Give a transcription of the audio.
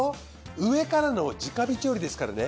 上からの直火調理ですからね。